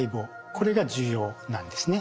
これが重要なんですね。